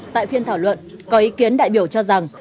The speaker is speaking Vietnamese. tại phiên thảo luận có ý kiến đại biểu cho rằng